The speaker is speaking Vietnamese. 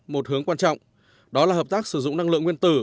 một hướng quan trọng đó là hợp tác sử dụng năng lượng nguyên tử